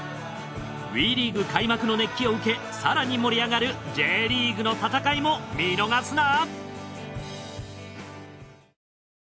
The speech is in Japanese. ＷＥリーグ開幕の熱気を受け更に盛り上がるＪリーグの戦いも見逃すな！